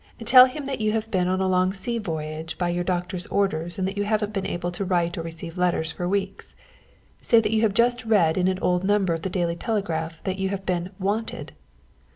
Tell him that you have been on a long sea voyage by your doctor's orders and that you haven't been able to write or receive letters for weeks. Say that you have just read in an old number of the Daily Telegraph that you have been 'wanted.'